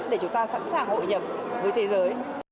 để chúng ta sẵn sàng hội nhập với thế giới